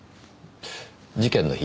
事件の日